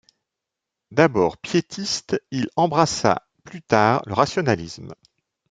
D'abord piétiste, il embrassa plus tard le rationalisme.